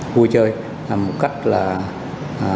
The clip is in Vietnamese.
vui chơi một cách là bình yên và an toàn